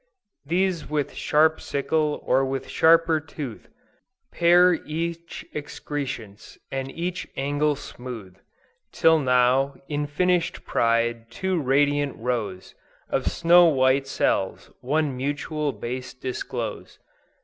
These with sharp sickle or with sharper tooth, Pare each excrescence, and each angle smooth, Till now, in finish'd pride, two radiant rows Of snow white cells one mutual base disclose.